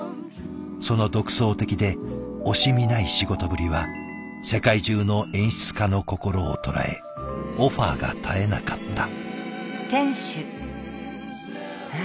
その独創的で惜しみない仕事ぶりは世界中の演出家の心を捉えオファーが絶えなかった。